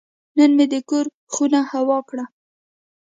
نن مې د کور خونه هوا کړه.